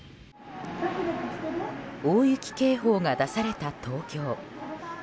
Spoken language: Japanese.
大雪警報が出された東京。